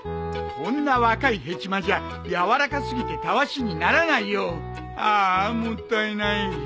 こんな若いヘチマじゃ柔らか過ぎてたわしにならないよ！ああもったいない。